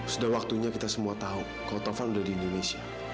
sudah waktunya kita semua tahu kalau telepon sudah di indonesia